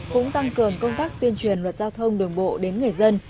cũng tăng cường công tác tuyên truyền luật giao thông đường bộ đến người dân